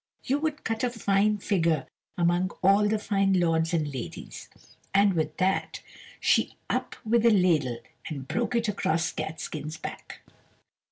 you would cut a fine figure among all the fine lords and ladies." And with that she up with a ladle and broke it across Catskin's back.